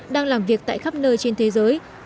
đang làm việc tại khắp nơi trên thế giới